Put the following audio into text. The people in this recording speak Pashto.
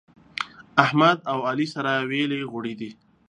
احمد او علي سره ويلي غوړي دي.